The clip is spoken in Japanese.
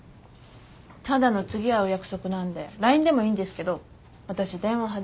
ただの次会う約束なんでＬＩＮＥでもいいんですけど私電話派で。